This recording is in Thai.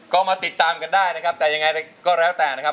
ก็มาติดตามกันได้นะครับแต่ยังไงก็แล้วแต่นะครับ